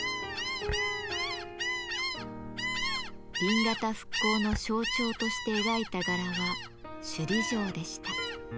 紅型復興の象徴として描いた柄は首里城でした。